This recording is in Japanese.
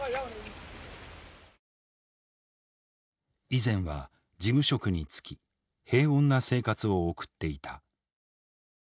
以前は事務職につき平穏な生活を送っていた。